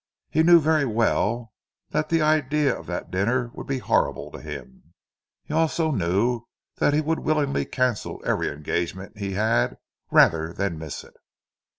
He knew very well that the idea of that dinner would be horrible to him. He also knew that he would willingly cancel every engagement he had rather than miss it.